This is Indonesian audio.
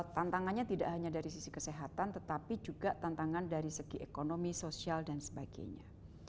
tantangannya tidak hanya dari sisi kesehatan tetapi juga tantangan dari segi ekonomi sosial dan sebagainya